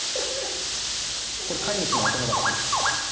これ、飼い主のお友達。